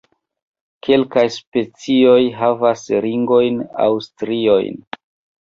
Kelkaj specioj havas ringojn aŭ striojn.